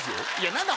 何だ？